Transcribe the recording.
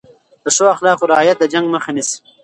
د ښو اخلاقو رعایت د جنګ مخه نیسي.